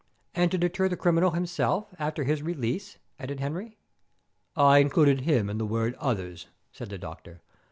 "And to deter the criminal himself after his release," added Henry. "I included him in the word 'others,'" said the doctor.